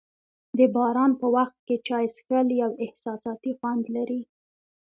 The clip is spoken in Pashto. د باران په وخت چای څښل یو احساساتي خوند لري.